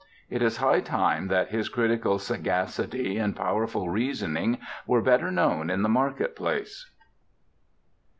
It is high time that his critical sagacity and powerful reasoning were better known in the market place.